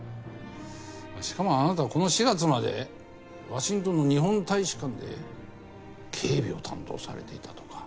しかもあなたはこの４月までワシントンの日本大使館で警備を担当されていたとか。